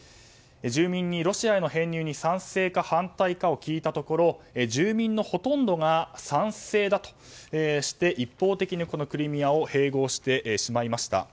住民にロシアへの編入に賛成か反対かを聞いたところ住民のほとんどが賛成だとして一方的にクリミアを併合してしまいました。